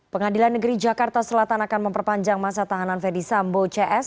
pengadilan negeri jakarta selatan akan memperpanjang masa tahanan ferdisambo cs